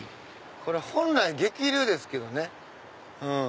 これ本来激流ですけどね。